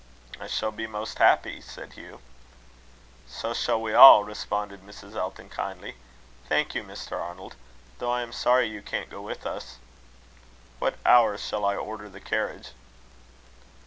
"I shall be most happy," said Hugh. "So shall we all," responded Mrs. Elton kindly. "Thank you, Mr. Arnold; though I am sorry you can't go with us." "What hour shall I order the carriage?"